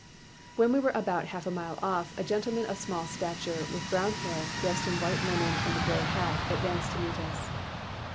"When we were about half a mile off, a gentleman of small stature, with brown hair, dressed in white linen and a gray hat, advanced to meet us.